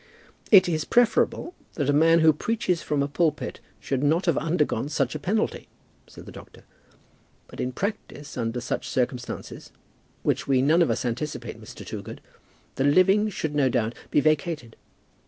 "It is preferable that a man who preaches from a pulpit should not have undergone such a penalty," said the doctor. "But in practice, under such circumstances, which we none of us anticipate, Mr. Toogood, the living should no doubt be vacated.